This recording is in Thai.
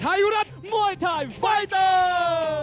ขอบคุณครับทุกคนขอบคุณครับทุกคน